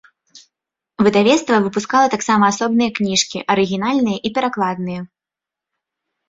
Выдавецтва выпускала таксама асобныя кніжкі, арыгінальныя і перакладныя.